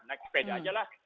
naik sepeda aja lah